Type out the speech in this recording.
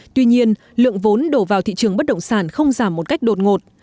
tuy nhiên lượng vốn đổ vào thị trường bất động sản không giảm một cách đột ngột